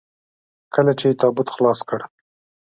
کله چې يې تابوت خلاص کړ.